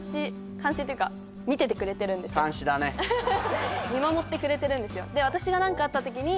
監視だね見守ってくれてるんですよ